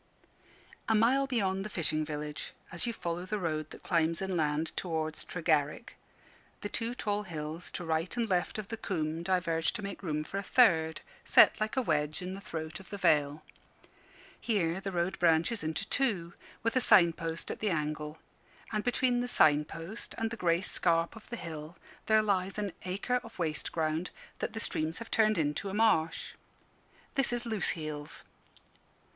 A mile beyond the fishing village, as you follow the road that climbs inland towards Tregarrick, the two tall hills to right and left of the coombe diverge to make room for a third, set like a wedge in the throat of the vale. Here the road branches into two, with a sign post at the angle; and between the sign post and the grey scarp of the hill there lies an acre of waste ground that the streams have turned into a marsh. This is Loose heels.